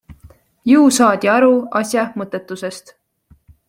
Ju saadi aru asja mõttetusest.